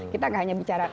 kita nggak hanya bicara